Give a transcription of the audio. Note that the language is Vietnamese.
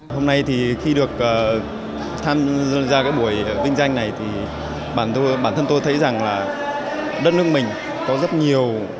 hôm nay thì khi được tham gia cái buổi vinh danh này thì bản thân tôi thấy rằng là đất nước mình có rất nhiều